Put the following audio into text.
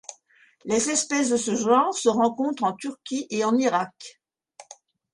Les espèces de ce genre se rencontrent en Turquie et en Irak.